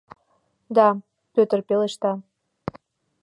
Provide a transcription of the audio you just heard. — Да, — Пӧтыр пелешта.